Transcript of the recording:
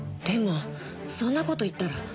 でもそんな事言ったら。